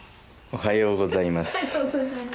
おはようございます。